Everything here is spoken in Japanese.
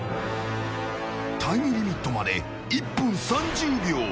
タイムリミットまで１分３０秒。